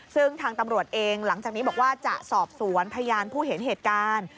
ซึ่งทางตำรวจเองหลังจากนี้บอกว่าจะสอบสวนพยานผู้เห็นเหตุการณ์